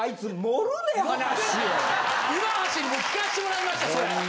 岩橋に聞かしてもらいましたそれ。